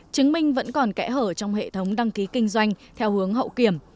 chứng minh vẫn còn kẽ hở trong hệ thống đăng ký kinh doanh theo hướng hậu kiểm